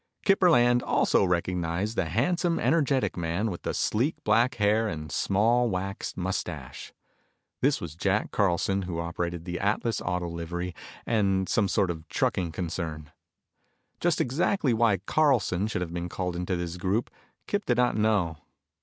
Kip Burland also recognized the handsome, energetic man with the sleek black hair and small, waxed mustache. This was Jack Carlson who operated the Atlas Auto Livery and some sort of a trucking concern. Just exactly why Carlson should have been called into this group, Kip did not know.